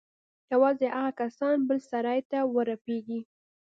يوازې هغه کسان بل سراى ته ورپرېږدي.